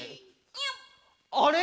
「あれ！